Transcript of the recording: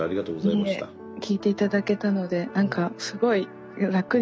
いいえ聞いて頂けたので何かすごい楽になり。